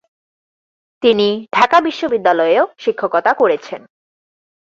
তিনি ঢাকা বিশ্ববিদ্যালয়েও শিক্ষকতা করেছেন।